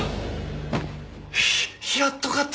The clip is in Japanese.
やっと勝った！